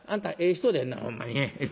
人でんなほんまに。